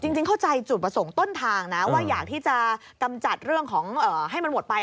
จริงเข้าใจจุดประสงค์ต้นทางนะว่าอยากที่จะกำจัดเรื่องของให้มันหมดไป